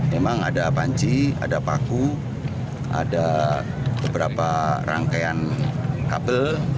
memang ada panci ada paku ada beberapa rangkaian kabel